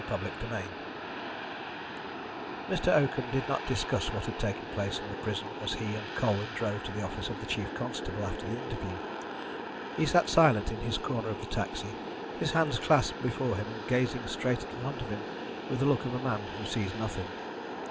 CHAPTER XXIV Mr. Oakham did not discuss what had taken place in the prison as he and Colwyn drove to the office of the chief constable after the interview. He sat silent in his corner of the taxi, his hands clasped before him, and gazing straight in front of him with the look of a man who sees nothing.